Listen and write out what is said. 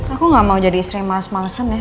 aku gak mau jadi istri yang males malesen ya